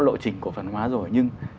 lộ trình cổ phần hóa rồi nhưng